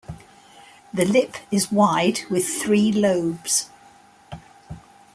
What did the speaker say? The lip is wide with three lobes.